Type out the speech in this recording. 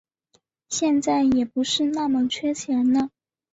现在也不是那么缺钱了